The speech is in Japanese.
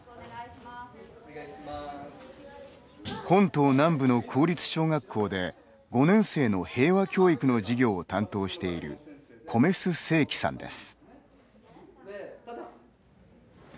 本島南部の公立小学校で５年生の平和教育の授業を担当している、米須清貴さんです。